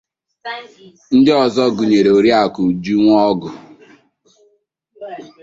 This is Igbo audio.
Ndị ọzọ gụnyèrè Oriakụ Uju Nwọgụ